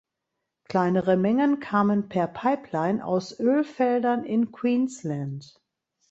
Kleinere Mengen kamen per Pipeline aus Ölfeldern in Queensland.